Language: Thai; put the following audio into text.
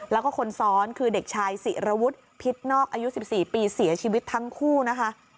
แล้วก็คนซ้อนคือเด็กชายศิรวุฒิพิษนอกอายุ๑๔ปีเสียชีวิตทั้งคู่นะคะ